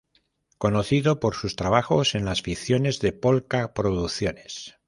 Conocido por sus trabajos en las ficciones de Pol-ka Producciones.